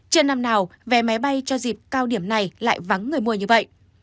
trên năm nào vé máy bay cho dịp cao điểm này lại vắng người mua như vậy